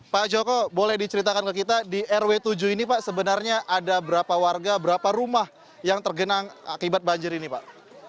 pak joko boleh diceritakan ke kita di rw tujuh ini pak sebenarnya ada berapa warga berapa rumah yang tergenang akibat banjir ini pak